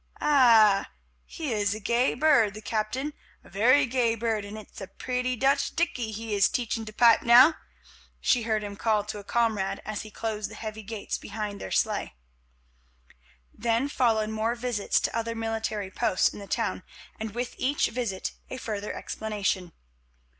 "Ah, he is a gay bird, the captain, a very gay bird, and it's a pretty Dutch dickey he is teaching to pipe now," she heard him call to a comrade as he closed the heavy gates behind their sleigh. Then followed more visits to other military posts in the town, and with each visit a further explanation.